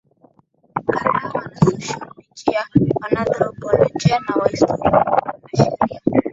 kadhaa wanasosholojia wananthropolojia wanahistoria na wanasheria